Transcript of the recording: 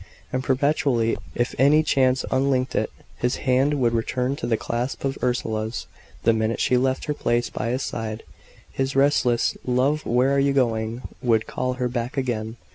And perpetually, if any chance unlinked it, his hand would return to its clasp of Ursula's; the minute she left her place by his side, his restless "Love, where are you going?" would call her back again.